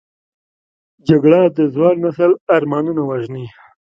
جګړه د ځوان نسل ارمانونه وژني